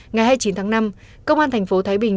ngày hai mươi chín tháng năm công an thành phố thái bình